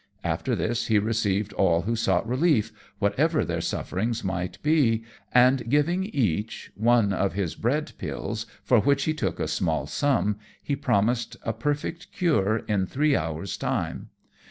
After this he received all who sought relief, whatever their sufferings might be; and giving each one of his bread pills, for which he took a small sum, he promised a perfect cure in three hours' time.